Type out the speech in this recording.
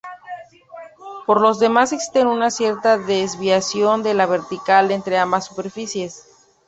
Por los demás existe una cierta desviación de la vertical entre ambas superficies.